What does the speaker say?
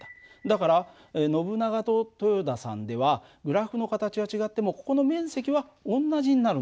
だからノブナガと豊田さんではグラフの形は違ってもここの面積は同じになるんだよ。